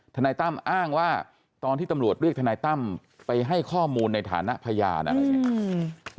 นายตั้มอ้างว่าตอนที่ตำรวจเรียกทนายตั้มไปให้ข้อมูลในฐานะพยานอะไรอย่างนี้